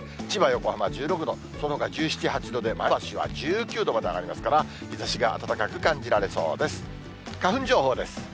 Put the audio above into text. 千葉、横浜は１６度、そのほか１７、８度で、前橋は１９度まで上がりますから、日ざしが暖かく感じられそうです。